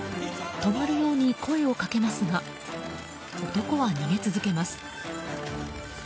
止まるように声をかけますが男は逃げ続けます。